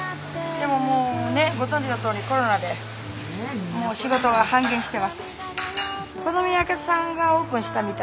でももうねご存じのとおりコロナでもう仕事が半減してます。